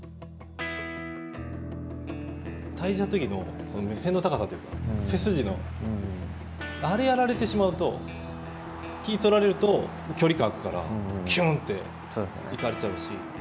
対じしたときの目線の高さというか背筋の、あれをやられてしまうと気を取られると距離感があくからひゅんと行かれてしまうし。